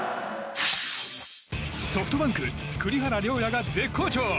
ソフトバンク栗原陵矢が絶好調。